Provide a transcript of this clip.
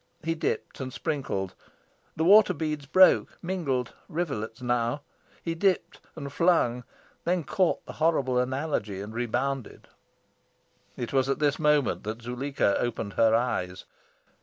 He dipped and sprinkled. The water beads broke, mingled rivulets now. He dipped and flung, then caught the horrible analogy and rebounded. It was at this moment that Zuleika opened her eyes.